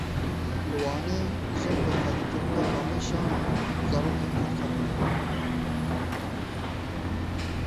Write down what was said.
Li Wanê jin bi xwedîkirina gamêşan zarokên xwe didin xwendin.